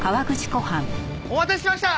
お待たせしました！